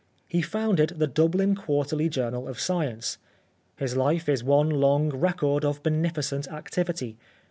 He founded the Dublin Quarterly Journal of Science. His life is one long record of beneficent activity.